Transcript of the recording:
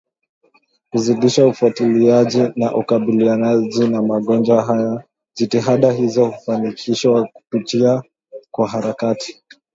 kuzidisha ufuatiliaji na ukabilianaji na magonjwa haya Jitihada hizo hufanikishwa kupitia kwa harakati